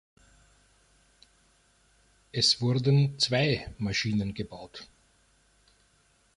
Es wurden zwei Maschinen gebaut.